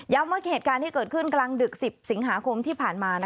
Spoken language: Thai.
ว่าเหตุการณ์ที่เกิดขึ้นกลางดึก๑๐สิงหาคมที่ผ่านมา